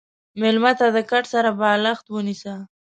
مېلمه ته د کټ سره بالښت ونیسه.